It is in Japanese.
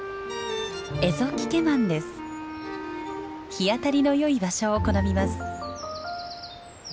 日当たりの良い場所を好みます。